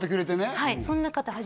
はい